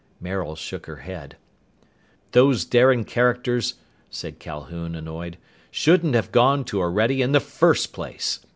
Maril shook her head. "Those Darian characters," said Calhoun, annoyed, "shouldn't have gone to Orede in the first place.